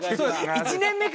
１年目か！